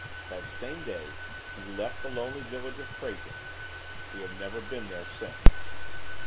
That same day, we left the lonely village of Kraighten. We have never been there since.